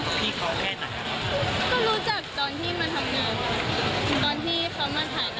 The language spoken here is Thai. ตอนที่เขามาถ่ายแบบกัน